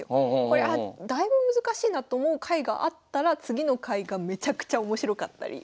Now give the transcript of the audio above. これあっだいぶ難しいなと思う回があったら次の回がめちゃくちゃ面白かったり。